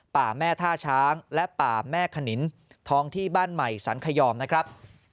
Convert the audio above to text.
ป่าแม่ท่าช้างและป่าแม่ขนินท้องที่บ้านใหม่สันขยอมนะครับ